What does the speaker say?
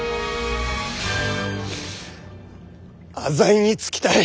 浅井につきたい！